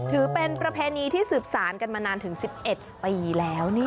ถือเป็นประเพณีที่สืบสารกันมานานถึง๑๑ปีแล้ว